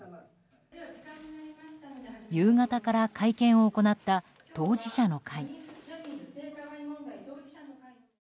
夕方から会見を行った当事者の会。